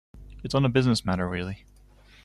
It's on a business matter, really.